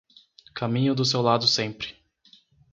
Caminho do seu lado sempre